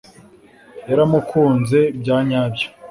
yaramukunze bya nyabyo